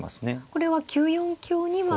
これは９四香には。